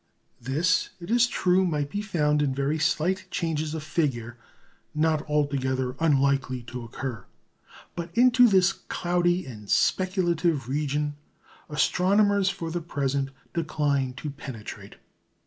This, it is true, might be found in very slight changes of figure, not altogether unlikely to occur. But into this cloudy and speculative region astronomers for the present decline to penetrate.